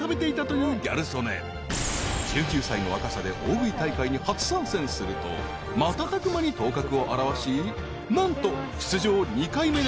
［１９歳の若さで大食い大会に初参戦すると瞬く間に頭角を現し何と］